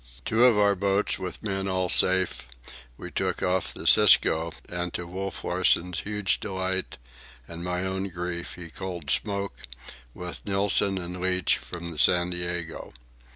Two of our boats, with men all safe, we took off the Cisco, and, to Wolf Larsen's huge delight and my own grief, he culled Smoke, with Nilson and Leach, from the San Diego.